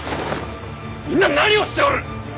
みんな何をしておる！